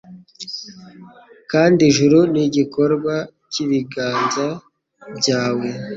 kandi ijuru ni igikorwa cy’ibiganza byawe